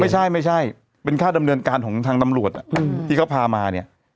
ไม่ใช่ไม่ใช่เป็นค่าดำเนินการของทางตำรวจที่เขาพามาเนี่ย